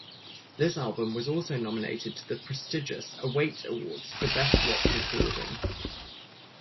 This album was also nominated to the prestigious Awit Awards for Best Rock Recording.